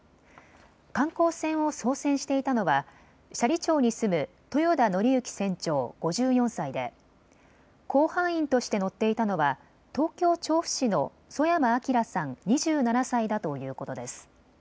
観光船を操船していたのは斜里町に住む豊田徳幸船長、５４歳で甲板員として乗っていたのは東京調布市の曽山聖さん２７歳だということです。